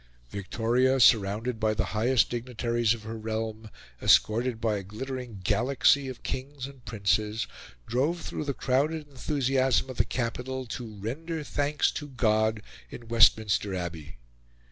Victoria, surrounded by the highest dignitaries of her realm, escorted by a glittering galaxy of kings and princes, drove through the crowded enthusiasm of the capital to render thanks to God in Westminster Abbey.